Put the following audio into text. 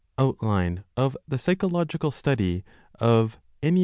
OUTLINE OF THE PSYCHOLOGICAL STUDY OF IV.